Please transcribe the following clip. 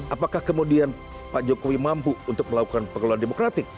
apakah kemudian pak jokowi mampu untuk melakukan pengelolaan demokratik